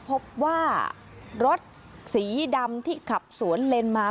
พบว่ารถสีดำที่ขับสวนเลนมา